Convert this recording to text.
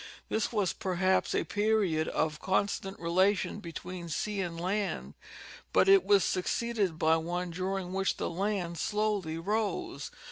This was perhaps a period of constant relation between sea and land, but it was succeeded by one dur ing which the land slowly rose.